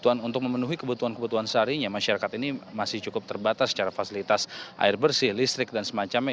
bantuan untuk memenuhi kebutuhan kebutuhan seharinya masyarakat ini masih cukup terbatas secara fasilitas air bersih listrik dan semacamnya